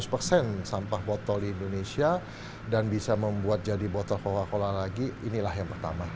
yang sampah botol indonesia dan bisa membuat jadi botol coca cola lagi inilah yang pertama